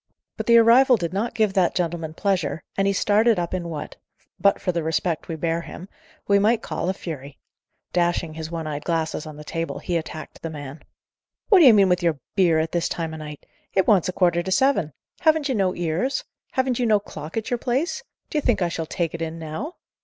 But the arrival did not give that gentleman pleasure, and he started up in what, but for the respect we bear him, we might call a fury. Dashing his one eyed glasses on the table, he attacked the man. "What d'ye mean with your 'beer' at this time o' night? It wants a quarter to seven! Haven't you no ears? haven't you no clock at your place? D'ye think I shall take it in now?"